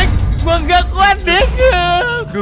dik gua nggak kuat dik